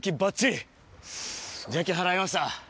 邪気はらいました。